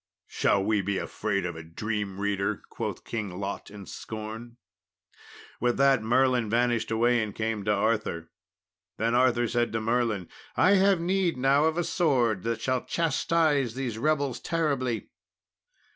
"Shall we be afraid of a dream reader?" quoth King Lot in scorn. With that Merlin vanished away and came to King Arthur. Then Arthur said to Merlin, "I have need now of a sword that shall chastise these rebels terribly."